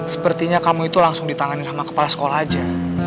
sepertinya kamu itu langsung ditangani sama kepala sekolah aja